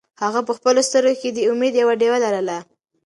هغه په خپلو سترګو کې د امید یوه ډېوه لرله.